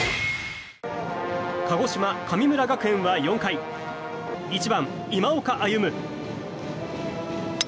鹿児島・神村学園は４回１番、今岡歩夢。